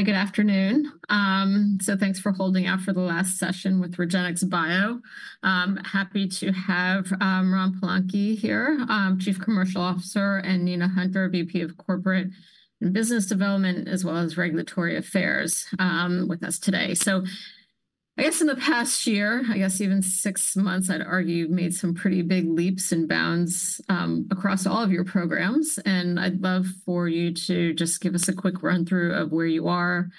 Hi, good afternoon. So thanks for holding out for the last session with REGENXBIO. Happy to have Ram Palanki here, Chief Commercial Officer, and Nina Hunter, VP of Corporate and Business Development, as well as Regulatory Affairs, with us today. So I guess in the past year, I guess even six months, I'd argue you've made some pretty big leaps and bounds across all of your programs, and I'd love for you to just give us a quick run-through of where you are.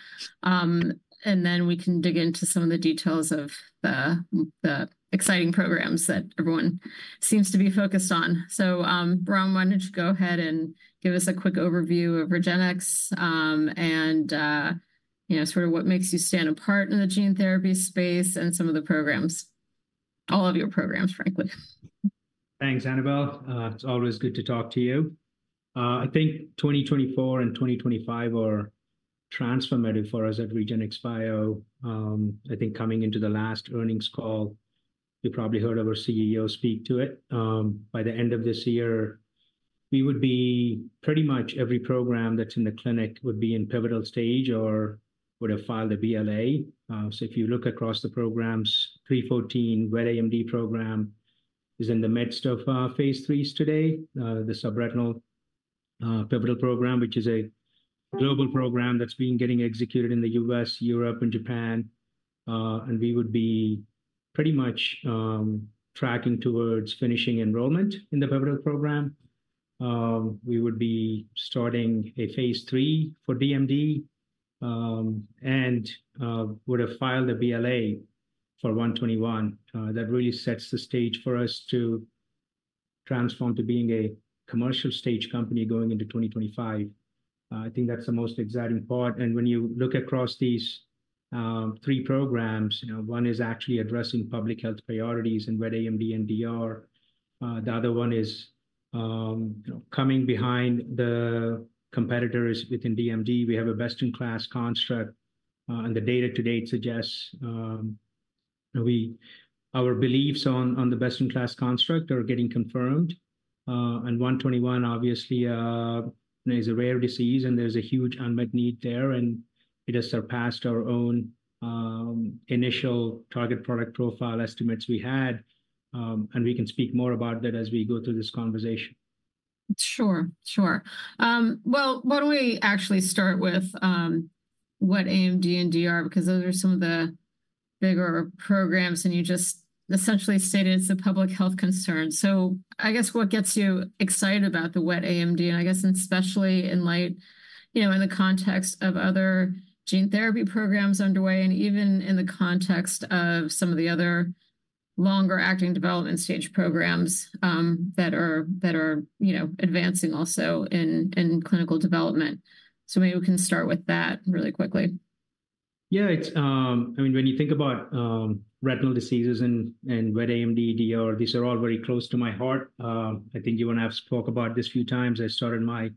And then we can dig into some of the details of the exciting programs that everyone seems to be focused on. So, Ram, why don't you go ahead and give us a quick overview of REGENXBIO, and, you know, sort of what makes you stand apart in the gene therapy space, and some of the programs, all of your programs, frankly? Thanks, Annabel. It's always good to talk to you. I think 2024 and 2025 are transformative for us at REGENXBIO. I think coming into the last earnings call, you probably heard our CEO speak to it. By the end of this year, we would be pretty much every program that's in the clinic would be in pivotal stage or would have filed a BLA. So if you look across the programs, 314 wet AMD program is in the midst of phase III today. The subretinal pivotal program, which is a global program that's been getting executed in the U.S., Europe, and Japan. And we would be pretty much tracking towards finishing enrollment in the pivotal program. We would be starting a phase III for DMD and would have filed a BLA for 121. That really sets the stage for us to transform to being a commercial stage company going into 2025. I think that's the most exciting part, and when you look across these three programs, you know, one is actually addressing public health priorities in wet AMD and DR. The other one is, you know, coming behind the competitors within DMD. We have a best-in-class construct, and the data to date suggests our beliefs on the best-in-class construct are getting confirmed. And 121, obviously, is a rare disease, and there's a huge unmet need there, and it has surpassed our own initial target product profile estimates we had. And we can speak more about that as we go through this conversation. Sure, sure. Well, why don't we actually start with wet AMD and DR, because those are some of the bigger programs, and you just essentially stated it's a public health concern. So I guess what gets you excited about the wet AMD, and I guess especially in light, you know, in the context of other gene therapy programs underway, and even in the context of some of the other longer-acting development stage programs that are, you know, advancing also in clinical development. So maybe we can start with that really quickly. Yeah, it's... I mean, when you think about retinal diseases and wet AMD, DR, these are all very close to my heart. I think you and I have spoke about this a few times. I started my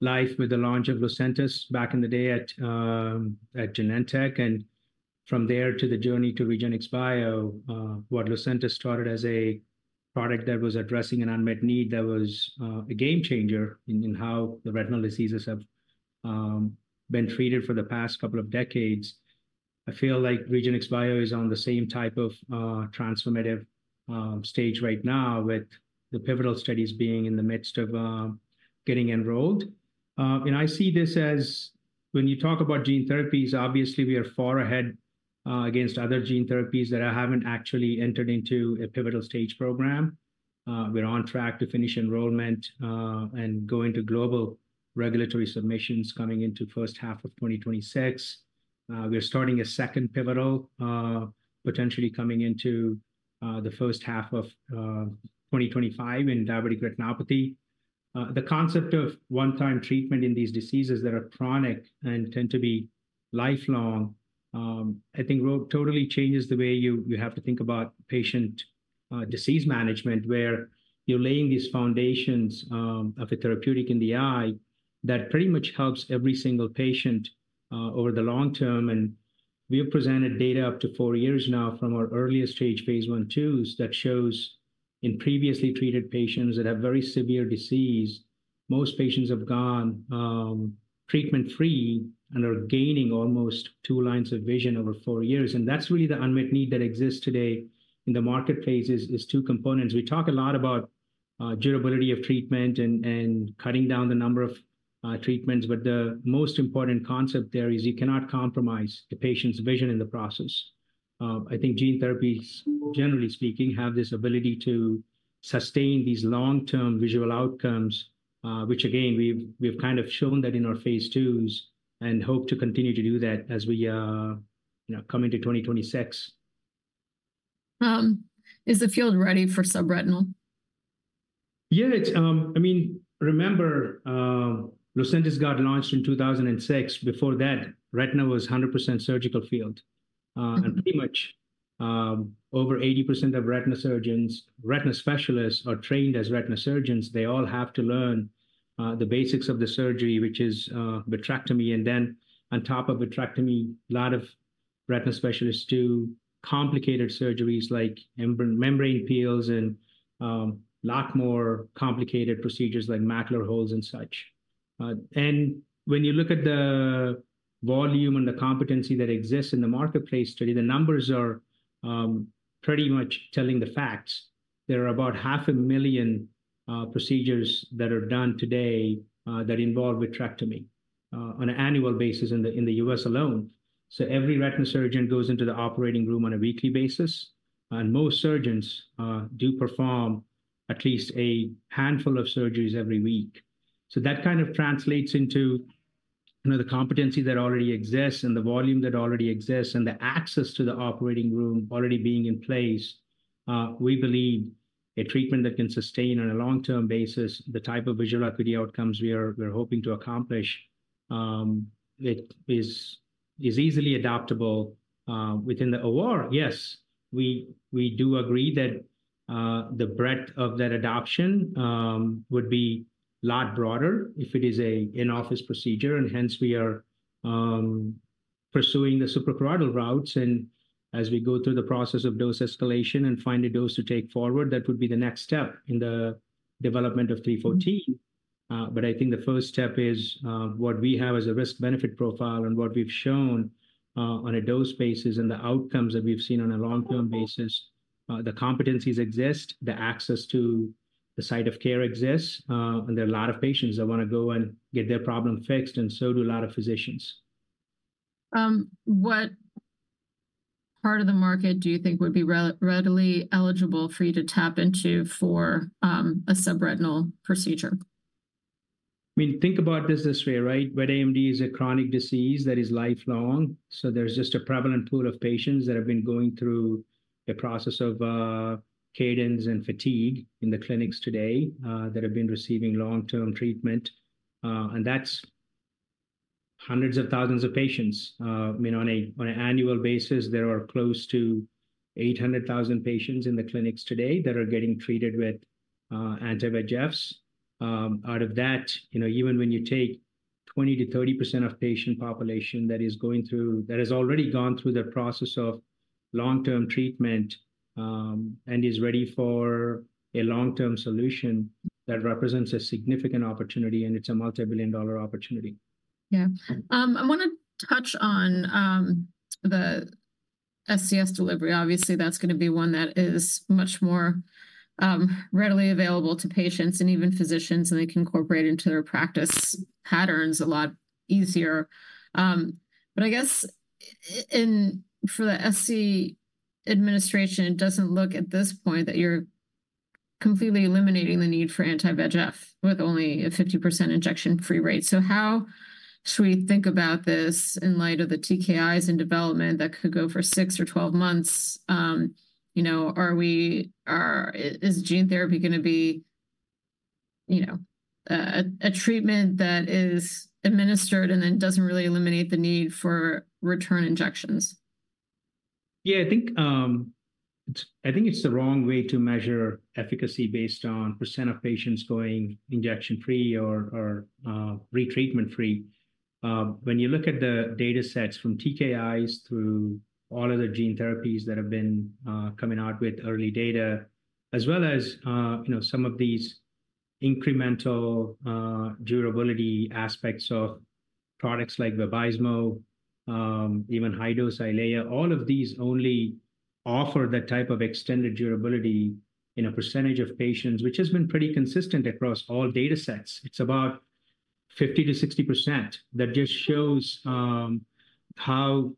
life with the launch of Lucentis back in the day at Genentech, and from there to the journey to REGENXBIO, what Lucentis started as a product that was addressing an unmet need, that was a game changer in how the retinal diseases have been treated for the past couple of decades. I feel like REGENXBIO is on the same type of transformative stage right now, with the pivotal studies being in the midst of getting enrolled. I see this as, when you talk about gene therapies, obviously we are far ahead against other gene therapies that haven't actually entered into a pivotal stage program. We're on track to finish enrollment and go into global regulatory submissions coming into first half of 2026. We're starting a second pivotal, potentially coming into the first half of 2025 in diabetic retinopathy. The concept of one-time treatment in these diseases that are chronic and tend to be lifelong, I think totally changes the way you have to think about patient disease management, where you're laying these foundations of a therapeutic in the eye that pretty much helps every single patient over the long term. We have presented data up to four years now from our earliest stage phase I/IIs that shows in previously treated patients that have very severe disease, most patients have gone treatment-free and are gaining almost two lines of vision over four years. That's really the unmet need that exists today in the marketplace is two components. We talk a lot about durability of treatment and cutting down the number of treatments, but the most important concept there is you cannot compromise the patient's vision in the process. I think gene therapies, generally speaking, have this ability to sustain these long-term visual outcomes, which again, we've kind of shown that in our phase IIs and hope to continue to do that as we you know, come into 2026. Is the field ready for subretinal? Yeah, it's... I mean, remember, Lucentis got launched in 2006. Before that, retina was 100% surgical field. And pretty much, over 80% of retina surgeons, retina specialists are trained as retina surgeons. They all have to learn the basics of the surgery, which is vitrectomy. And then on top of vitrectomy, a lot of retina specialists do complicated surgeries like membrane peels and lot more complicated procedures like macular holes and such. And when you look at the volume and the competency that exists in the marketplace today, the numbers are pretty much telling the facts. There are about 500,000 procedures that are done today that involve vitrectomy on an annual basis in the US alone. So every retina surgeon goes into the operating room on a weekly basis, and most surgeons do perform at least a handful of surgeries every week. So that kind of translates into, you know, the competency that already exists and the volume that already exists, and the access to the operating room already being in place. We believe a treatment that can sustain on a long-term basis the type of visual acuity outcomes we're hoping to accomplish, it is easily adaptable within the OR. Yes, we do agree that the breadth of that adoption would be a lot broader if it is an in-office procedure, and hence we are pursuing the suprachoroidal routes. As we go through the process of dose escalation and find a dose to take forward, that would be the next step in the development of 314. But I think the first step is what we have as a risk-benefit profile and what we've shown on a dose basis, and the outcomes that we've seen on a long-term basis. The competencies exist, the access to the site of care exists, and there are a lot of patients that want to go and get their problem fixed, and so do a lot of physicians. What part of the market do you think would be readily eligible for you to tap into for a subretinal procedure? I mean, think about this way, right? Wet AMD is a chronic disease that is lifelong, so there's just a prevalent pool of patients that have been going through the process of cadence and fatigue in the clinics today that have been receiving long-term treatment. And that's hundreds of thousands of patients. I mean, on an annual basis, there are close to 800,000 patients in the clinics today that are getting treated with anti-VEGFs. Out of that, you know, even when you take 20%-30% of patient population that is going through-- that has already gone through the process of long-term treatment, and is ready for a long-term solution, that represents a significant opportunity, and it's a multi-billion dollar opportunity. Yeah. I wanna touch on the SCS delivery. Obviously, that's gonna be one that is much more readily available to patients and even physicians, and they can incorporate into their practice patterns a lot easier. But I guess in, for the SCS administration, it doesn't look at this point that you're completely eliminating the need for anti-VEGF with only a 50% injection-free rate. So how should we think about this in light of the TKIs in development that could go for six or 12 months? You know, is gene therapy gonna be, you know, a treatment that is administered and then doesn't really eliminate the need for return injections? Yeah, I think it's the wrong way to measure efficacy based on percent of patients going injection-free or retreatment-free. When you look at the data sets from TKIs through all of the gene therapies that have been coming out with early data, as well as you know, some of these incremental durability aspects of products like Vabysmo, even high-dose Eylea, all of these only offer that type of extended durability in a percentage of patients, which has been pretty consistent across all data sets. It's about 50%-60%. That just shows how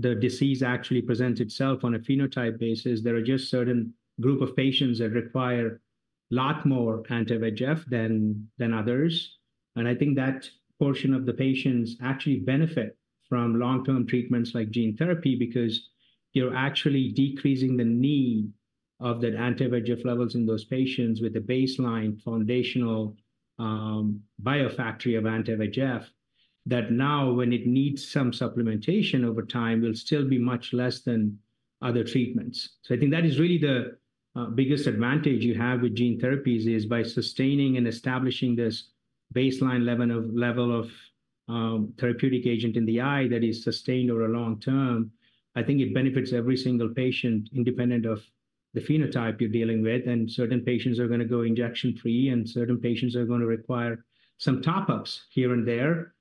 the disease actually presents itself on a phenotype basis. There are just certain group of patients that require a lot more anti-VEGF than, than others, and I think that portion of the patients actually benefit from long-term treatments like gene therapy because you're actually decreasing the need of that anti-VEGF levels in those patients with a baseline foundational biofactory of anti-VEGF, that now, when it needs some supplementation over time, will still be much less than other treatments. So I think that is really the biggest advantage you have with gene therapies, is by sustaining and establishing this baseline level of therapeutic agent in the eye that is sustained over a long term. I think it benefits every single patient, independent of the phenotype you're dealing with. Certain patients are gonna go injection-free, and certain patients are gonna require some top-ups here and there,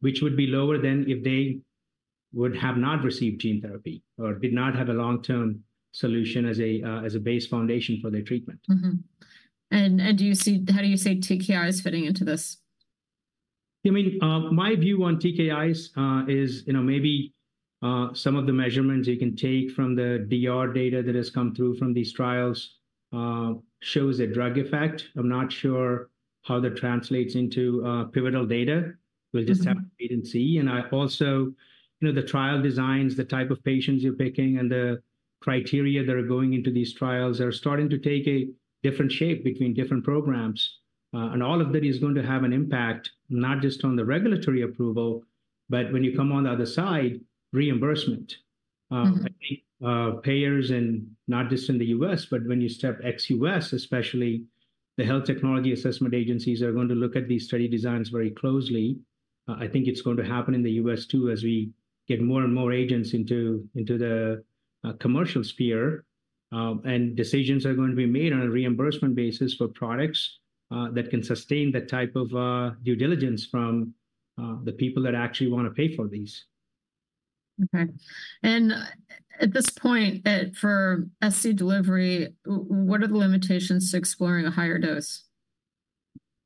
which would be lower than if they would have not received gene therapy or did not have a long-term solution as a base foundation for their treatment. Mm-hmm. And, how do you see TKIs fitting into this? I mean, my view on TKIs is, you know, maybe some of the measurements you can take from the DR data that has come through from these trials shows a drug effect. I'm not sure how that translates into pivotal data. Mm-hmm. We'll just have to wait and see. And I also... You know, the trial designs, the type of patients you're picking, and the criteria that are going into these trials are starting to take a different shape between different programs. And all of that is going to have an impact, not just on the regulatory approval, but when you come on the other side, reimbursement... I think payers, and not just in the US, but when you step ex-US especially, the health technology assessment agencies are going to look at these study designs very closely. I think it's going to happen in the US, too, as we get more and more agents into the commercial sphere. Decisions are going to be made on a reimbursement basis for products that can sustain the type of due diligence from the people that actually want to pay for these. Okay. And at this point, for SC delivery, what are the limitations to exploring a higher dose?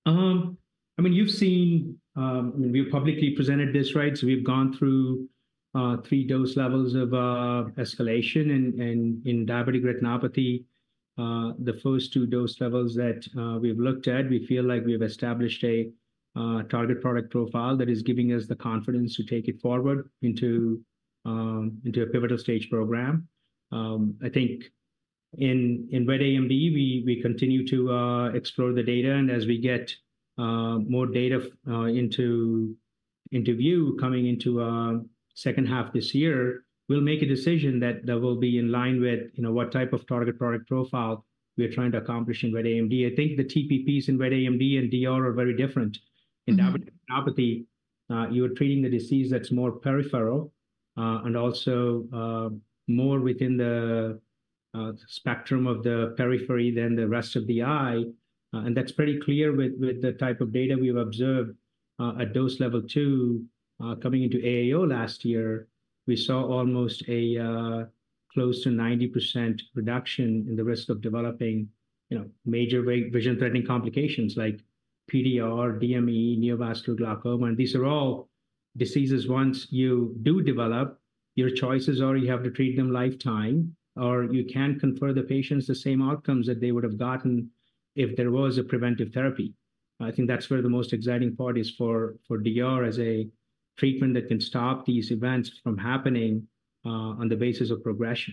I mean, you've seen. I mean, we've publicly presented this, right? So we've gone through three dose levels of escalation in diabetic retinopathy. The first two dose levels that we've looked at, we feel like we have established a target product profile that is giving us the confidence to take it forward into a pivotal stage program. I think in wet AMD, we continue to explore the data, and as we get more data into view, coming into second half this year, we'll make a decision that will be in line with, you know, what type of target product profile we are trying to accomplish in wet AMD. I think the TPPs in wet AMD and DR are very different. Mm-hmm. In diabetic retinopathy, you are treating the disease that's more peripheral, and also more within the spectrum of the periphery than the rest of the eye. That's pretty clear with the type of data we've observed. At dose level 2, coming into AAO last year, we saw almost close to 90% reduction in the risk of developing, you know, major vision-threatening complications, like PDR, DME, neovascular glaucoma. And these are all diseases once you do develop, your choices are you have to treat them lifetime, or you can confer the patients the same outcomes that they would've gotten if there was a preventive therapy. I think that's where the most exciting part is for DR, as a treatment that can stop these events from happening, on the basis of progression.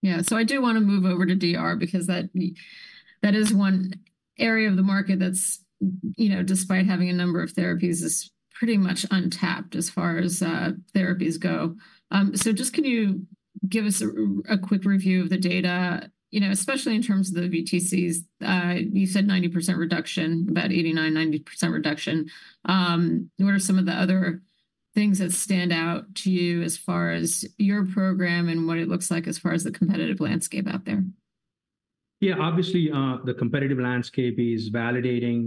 Yeah, so I do want to move over to DR because that is one area of the market that's, you know, despite having a number of therapies, is pretty much untapped as far as therapies go. So just can you give us a quick review of the data, you know, especially in terms of the VTCs? You said 90% reduction, about 89, 90% reduction. What are some of the other things that stand out to you as far as your program and what it looks like as far as the competitive landscape out there? Yeah, obviously, the competitive landscape is validating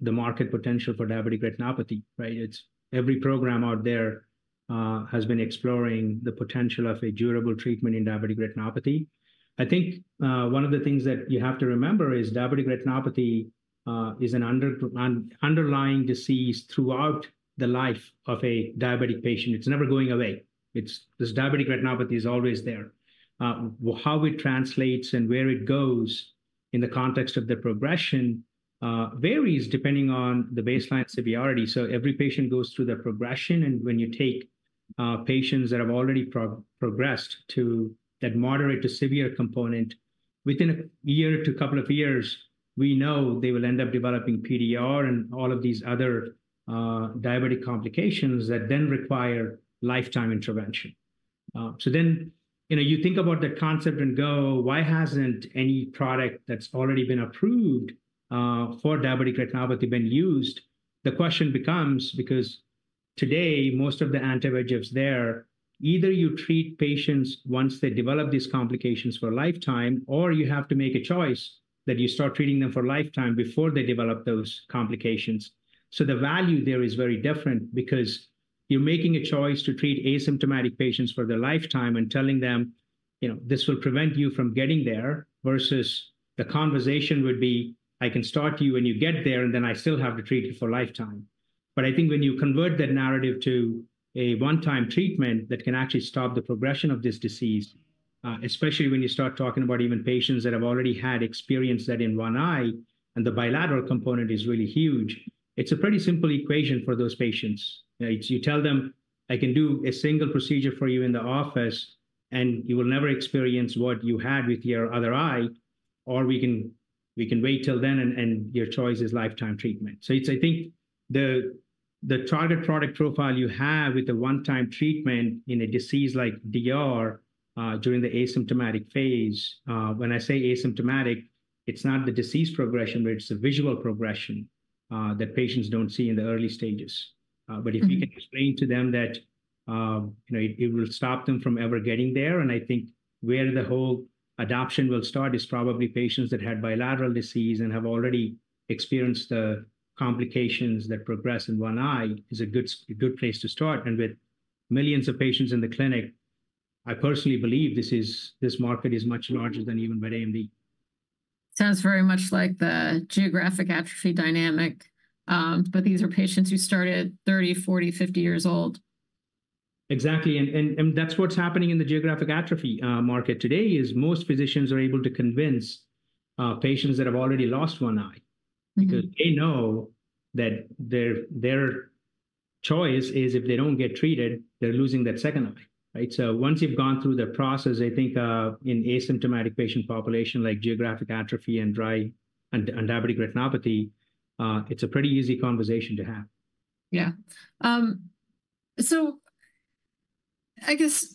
the market potential for diabetic retinopathy, right? It's every program out there has been exploring the potential of a durable treatment in diabetic retinopathy. I think one of the things that you have to remember is diabetic retinopathy is an underlying disease throughout the life of a diabetic patient. It's never going away. It's this diabetic retinopathy is always there. How it translates and where it goes in the context of the progression varies depending on the baseline severity. So every patient goes through the progression, and when you take patients that have already progressed to that moderate to severe component, within a year to a couple of years, we know they will end up developing PDR and all of these other diabetic complications that then require lifetime intervention. So then, you know, you think about the concept and go, "Why hasn't any product that's already been approved for diabetic retinopathy been used?" The question becomes, because today, most of the anti-VEGFs there, either you treat patients once they develop these complications for a lifetime, or you have to make a choice that you start treating them for lifetime before they develop those complications. So the value there is very different, because you're making a choice to treat asymptomatic patients for their lifetime and telling them, "You know, this will prevent you from getting there," versus the conversation would be, "I can start you when you get there, and then I still have to treat you for lifetime." But I think when you convert that narrative to a one-time treatment that can actually stop the progression of this disease, especially when you start talking about even patients that have already had experience that in one eye, and the bilateral component is really huge, it's a pretty simple equation for those patients. You tell them, "I can do a single procedure for you in the office, and you will never experience what you had with your other eye, or we can wait till then, and your choice is lifetime treatment." So it's, I think, the target product profile you have with the one-time treatment in a disease like DR, during the asymptomatic phase—when I say asymptomatic, it's not the disease progression, but it's the visual progression, that patients don't see in the early stages. Mm-hmm. But if you can explain to them that, you know, it will stop them from ever getting there, and I think where the whole adoption will start is probably patients that had bilateral disease and have already experienced the complications that progress in one eye, is a good place to start. And with millions of patients in the clinic, I personally believe this market is much larger than even wet AMD. Sounds very much like the geographic atrophy dynamic, but these are patients who started 30, 40, 50 years old. Exactly, and that's what's happening in the geographic atrophy market today, is most physicians are able to convince patients that have already lost one eye- Mm-hmm... because they know that their choice is if they don't get treated, they're losing that second eye, right? So once you've gone through the process, I think, in asymptomatic patient population, like geographic atrophy and dry and diabetic retinopathy, it's a pretty easy conversation to have. Yeah. So I guess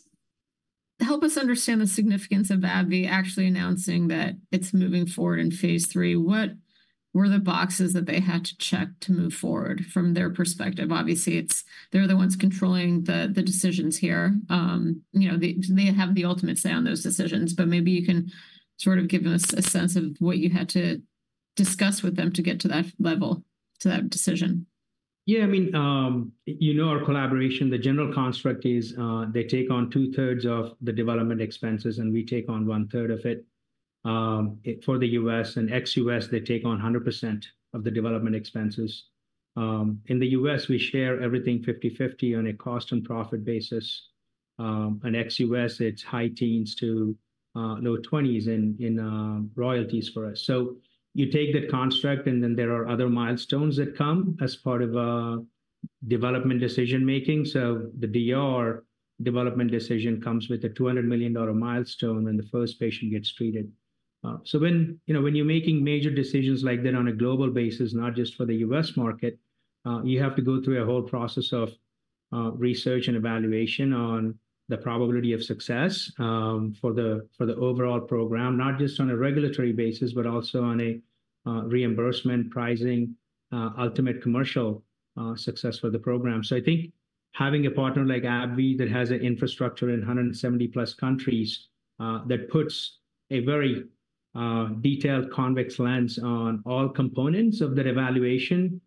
help us understand the significance of AbbVie actually announcing that it's moving forward in phase three. What were the boxes that they had to check to move forward from their perspective? Obviously, it's- they're the ones controlling the, the decisions here. You know, they, they have the ultimate say on those decisions, but maybe you can sort of give us a sense of what you had to discuss with them to get to that level, to that decision. Yeah, I mean, you know, our collaboration, the general construct is, they take on two-thirds of the development expenses, and we take on one-third of it. For the U.S. and ex-U.S., they take on 100% of the development expenses. In the U.S., we share everything 50/50 on a cost and profit basis. And ex-U.S., it's high teens to low twenties in royalties for us. So you take that construct, and then there are other milestones that come as part of a development decision making. So the DR development decision comes with a $200 million milestone when the first patient gets treated. So when, you know, when you're making major decisions like that on a global basis, not just for the US market, you have to go through a whole process of research and evaluation on the probability of success, for the, for the overall program, not just on a regulatory basis, but also on a reimbursement, pricing, ultimate commercial success for the program. So I think having a partner like AbbVie that has an infrastructure in 170+ countries, that puts a very detailed convex lens on all components of that evaluation,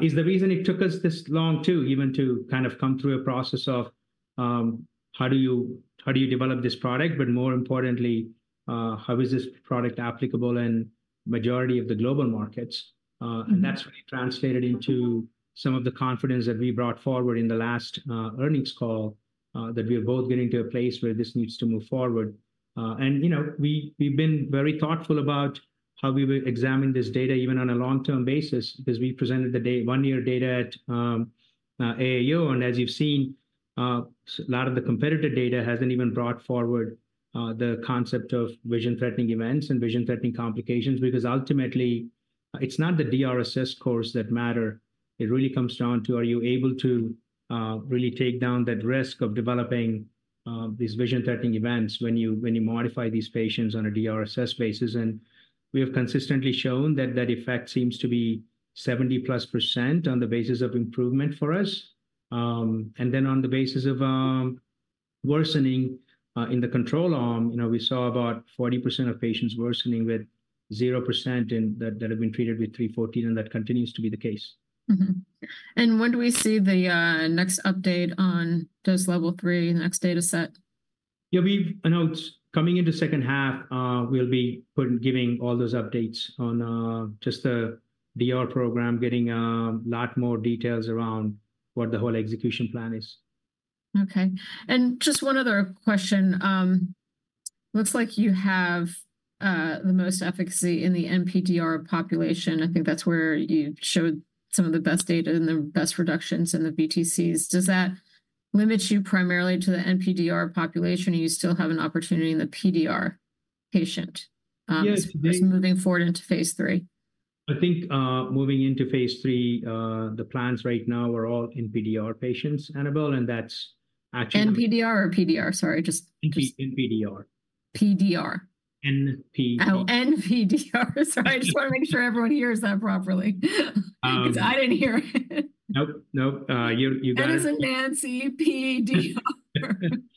is the reason it took us this long to even to kind of come through a process of, how do you, how do you develop this product? But more importantly, how is this product applicable in majority of the global markets? Mm-hmm. That's really translated into some of the confidence that we brought forward in the last earnings call that we are both getting to a place where this needs to move forward. You know, we've been very thoughtful about how we will examine this data, even on a long-term basis, because we presented the one-year data at AAO, and as you've seen, a lot of the competitive data hasn't even brought forward the concept of vision-threatening events and vision-threatening complications. Because ultimately, it's not the DRSS score that matters. It really comes down to, are you able to really take down that risk of developing these vision-threatening events when you modify these patients on a DRSS basis? We have consistently shown that effect seems to be 70%+ on the basis of improvement for us. And then on the basis of worsening in the control arm, you know, we saw about 40% of patients worsening, with 0% in that have been treated with 314, and that continues to be the case. Mm-hmm. And when do we see the next update on dose level three, the next data set? Yeah, we've announced coming into second half, we'll be giving all those updates on just the DR program, getting a lot more details around what the whole execution plan is. Okay. Just one other question. Looks like you have the most efficacy in the NPDR population. I think that's where you showed some of the best data and the best reductions in the VTCs. Does that limit you primarily to the NPDR population, or you still have an opportunity in the PDR patient- Yes- Moving forward into phase 3? I think, moving into phase three, the plans right now are all NPDR patients, Annabel, and that's actually- NPDR or PDR? Sorry, just- NPDR. PDR. NPDR. Oh, NPDR. Sorry, I just want to make sure everyone hears that properly. Um- 'Cause I didn't hear it. Nope, nope. You got it. It isn't NPDR.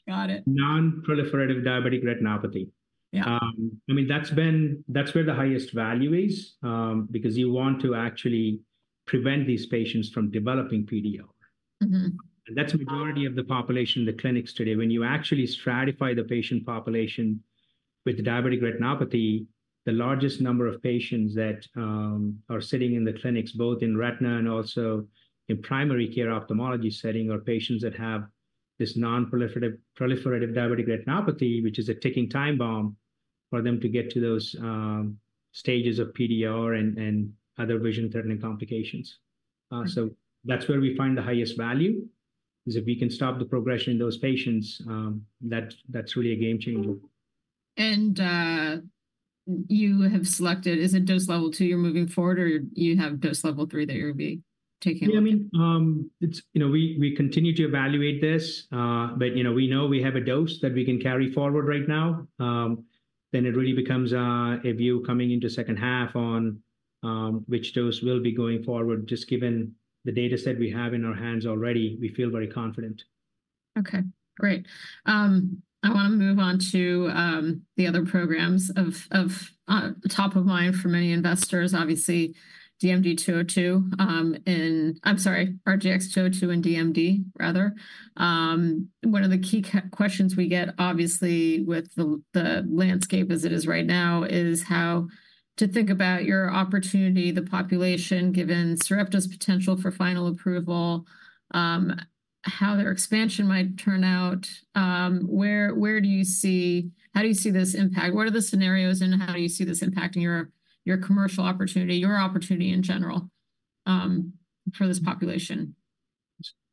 Got it. Non-proliferative diabetic retinopathy. Yeah. I mean, that's where the highest value is, because you want to actually prevent these patients from developing PDR. Mm-hmm. That's the majority of the population in the clinics today. When you actually stratify the patient population with diabetic retinopathy, the largest number of patients that are sitting in the clinics, both in retina and also in primary care ophthalmology setting, are patients that have this non-proliferative diabetic retinopathy, which is a ticking time bomb for them to get to those stages of PDR and other vision-threatening complications. So that's where we find the highest value, is if we can stop the progression in those patients, that's really a game changer. You have selected, is it dose level two you're moving forward, or you have dose level three that you'll be taking on? Yeah, I mean, it's, you know, we continue to evaluate this. But, you know, we know we have a dose that we can carry forward right now. Then it really becomes a view coming into second half on which dose will be going forward. Just given the data set we have in our hands already, we feel very confident. Okay, great. I want to move on to the other programs of top of mind for many investors. Obviously, DMD 202, and I'm sorry, RGX-202 and DMD, rather. One of the key questions we get, obviously, with the landscape as it is right now, is how to think about your opportunity, the population, given Sarepta's potential for final approval, how their expansion might turn out. Where do you see how do you see this impact? What are the scenarios, and how do you see this impacting your commercial opportunity, your opportunity in general, for this population?...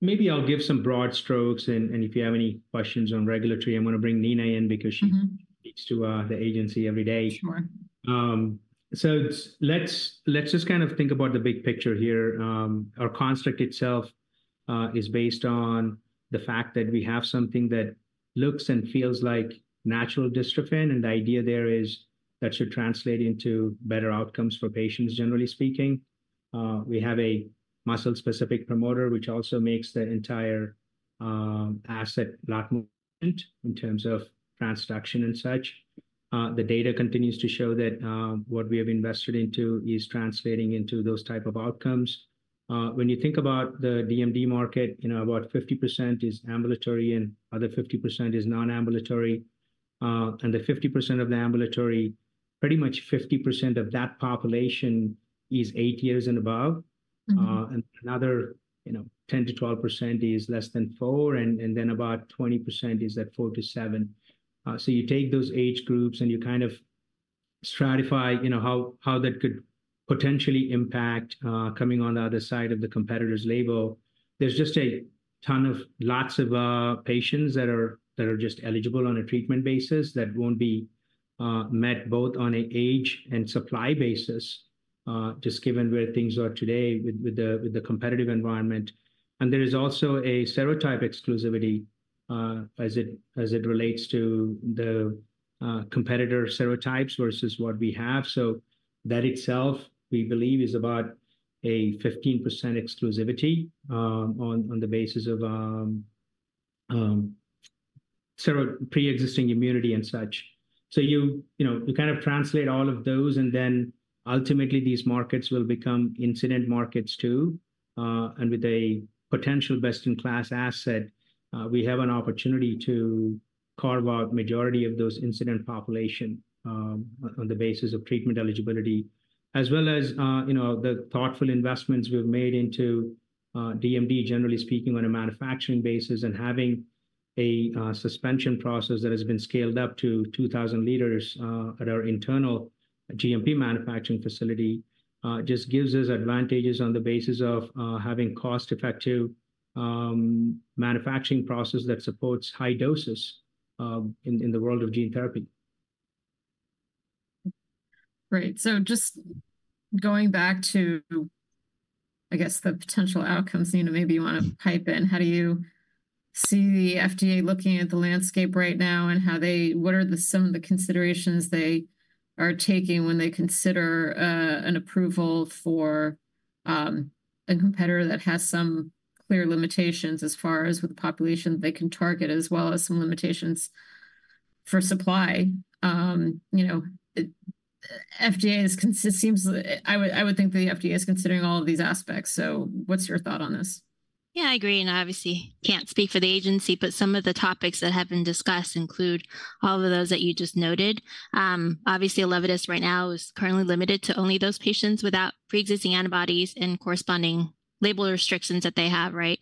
Maybe I'll give some broad strokes, and, and if you have any questions on regulatory, I'm gonna bring Nina in because she- Mm-hmm speaks to the agency every day. Sure. So let's just kind of think about the big picture here. Our construct itself is based on the fact that we have something that looks and feels like natural dystrophin, and the idea there is that should translate into better outcomes for patients, generally speaking. We have a muscle-specific promoter, which also makes the entire asset a lot more in terms of transduction and such. The data continues to show that what we have invested into is translating into those type of outcomes. When you think about the DMD market, you know, about 50% is ambulatory, and other 50% is non-ambulatory. And the 50% of the ambulatory, pretty much 50% of that population is eight years and above. Mm-hmm. And another, you know, 10%-12% is less than 4, and, and then about 20% is at 4-7. So you take those age groups, and you kind of stratify, you know, how, how that could potentially impact, coming on the other side of the competitor's label. There's just a ton of lots of, patients that are, that are just eligible on a treatment basis that won't be, met both on a age and supply basis, just given where things are today with, with the, with the competitive environment. And there is also a serotype exclusivity, as it, as it relates to the, competitor serotypes versus what we have. So that itself, we believe, is about a 15% exclusivity, on, on the basis of, sero- pre-existing immunity and such. So you know, you kind of translate all of those, and then ultimately, these markets will become incident markets, too. And with a potential best-in-class asset, we have an opportunity to carve out majority of those incident population, on the basis of treatment eligibility, as well as, you know, the thoughtful investments we've made into, DMD, generally speaking, on a manufacturing basis, and having a, suspension process that has been scaled up to 2,000 liters, at our internal GMP manufacturing facility. Just gives us advantages on the basis of, having cost-effective, manufacturing process that supports high doses, in the world of gene therapy. Right. So just going back to, I guess, the potential outcomes, Nina, maybe you wanna pipe in. How do you see the FDA looking at the landscape right now, and how—what are some of the considerations they are taking when they consider an approval for a competitor that has some clear limitations as far as with the population they can target, as well as some limitations for supply? You know, I would think the FDA is considering all of these aspects, so what's your thought on this? Yeah, I agree, and I obviously can't speak for the agency, but some of the topics that have been discussed include all of those that you just noted. Obviously, Elevidys right now is currently limited to only those patients without pre-existing antibodies and corresponding label restrictions that they have, right,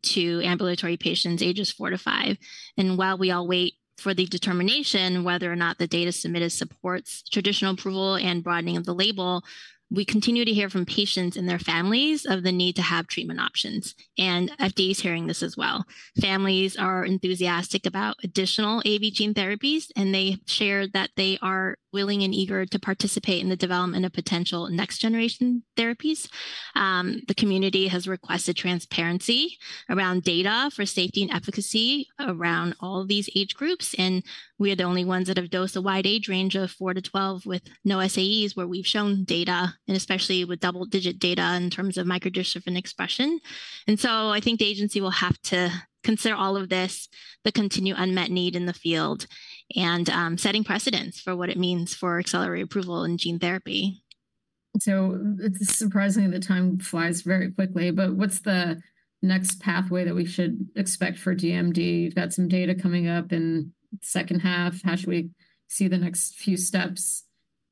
to ambulatory patients, ages four to five. And while we all wait for the determination whether or not the data submitted supports traditional approval and broadening of the label, we continue to hear from patients and their families of the need to have treatment options, and FDA's hearing this as well. Families are enthusiastic about additional AAV gene therapies, and they share that they are willing and eager to participate in the development of potential next-generation therapies. The community has requested transparency around data for safety and efficacy around all these age groups, and we are the only ones that have dosed a wide age range of 4 to 12 with no SAEs, where we've shown data, and especially with double-digit data in terms of micro dystrophin expression. So I think the agency will have to consider all of this, the continued unmet need in the field, and setting precedents for what it means for accelerated approval in gene therapy. So it's surprising that time flies very quickly, but what's the next pathway that we should expect for DMD? You've got some data coming up in second half. How should we see the next few steps,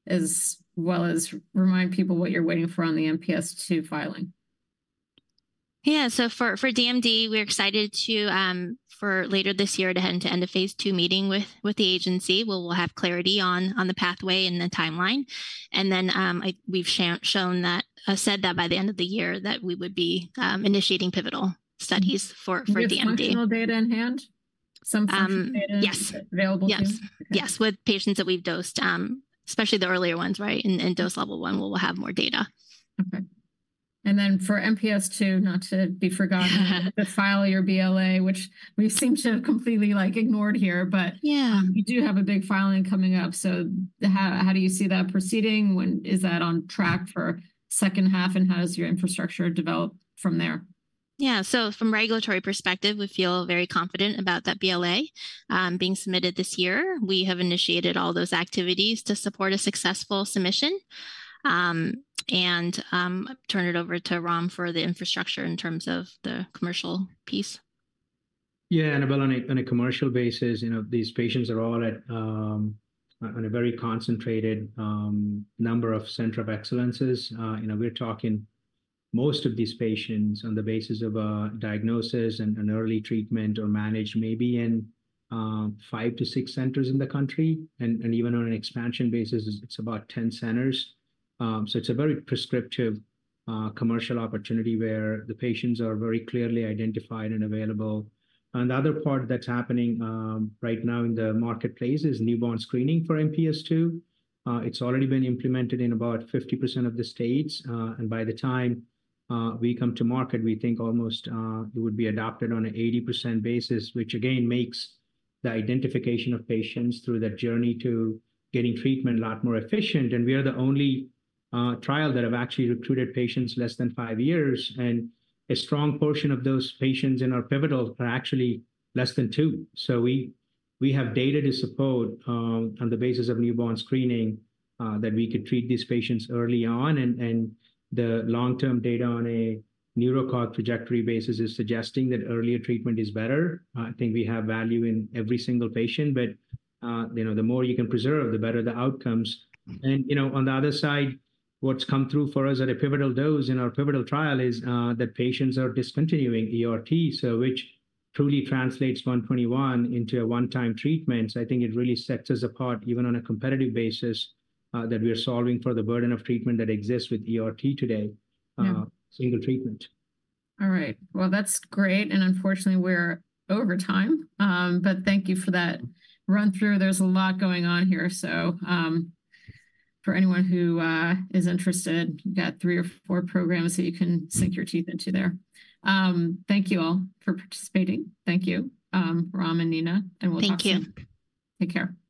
as well as remind people what you're waiting for on the MPS II filing? Yeah, so for DMD, we're excited to, for later this year, end a phase II meeting with the agency, where we'll have clarity on the pathway and the timeline. And then, we've said that by the end of the year, that we would be initiating pivotal studies for DMD. With functional data in hand? Um, yes. available to you? Yes. Yes, with patients that we've dosed, especially the earlier ones, right? In dose level I, we will have more data. Okay. And then for MPS II, not to be forgotten—to file your BLA, which we seem to have completely, like, ignored here, but- Yeah... you do have a big filing coming up. So how, how do you see that proceeding? When is that on track for second half, and how does your infrastructure develop from there? Yeah. So from regulatory perspective, we feel very confident about that BLA being submitted this year. We have initiated all those activities to support a successful submission. I turn it over to Ram for the infrastructure in terms of the commercial piece. Yeah, Annabel, on a commercial basis, you know, these patients are all at a very concentrated number of centers of excellence. You know, we're talking most of these patients on the basis of a diagnosis and an early treatment or managed maybe in 5-6 centers in the country. And even on an expansion basis, it's about 10 centers. So it's a very prescriptive commercial opportunity, where the patients are very clearly identified and available. And the other part that's happening right now in the marketplace is newborn screening for MPS II. It's already been implemented in about 50% of the states, and by the time we come to market, we think almost it would be adopted on an 80% basis, which, again, makes the identification of patients through that journey to getting treatment a lot more efficient. And we are the only trial that have actually recruited patients less than 5 years, and a strong portion of those patients in our pivotal are actually less than 2. So we, we have data to support, on the basis of newborn screening, that we could treat these patients early on, and, and the long-term data on a neurocog trajectory basis is suggesting that earlier treatment is better. I think we have value in every single patient, but, you know, the more you can preserve, the better the outcomes. You know, on the other side, what's come through for us at a pivotal dose in our pivotal trial is that patients are discontinuing ERT, so which truly translates 121 into a one-time treatment. I think it really sets us apart, even on a competitive basis, that we are solving for the burden of treatment that exists with ERT today- Yeah... single treatment. All right. Well, that's great, and unfortunately, we're over time. But thank you for that run-through. There's a lot going on here, so, for anyone who is interested, you've got three or four programs that you can sink your teeth into there. Thank you all for participating. Thank you, Ram and Nina, and we'll talk soon. Thank you. Take care. Bye.